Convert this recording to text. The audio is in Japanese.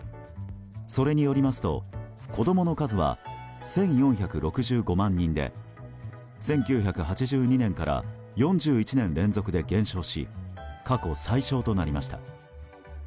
それによりますと子供の数は１４６５万人で１９８２年から４１年連続で減少し過去最少となりました。